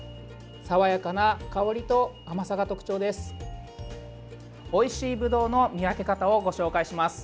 爽やかな香りと甘さが特徴です。